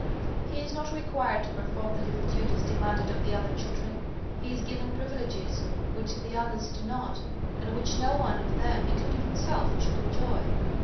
He is not required to perform the little duties demanded of the other children. He is given privileges which the others do not, and which no one of them, including himself, should enjoy.